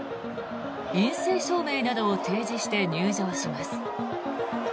陰性証明などを提示して入場します。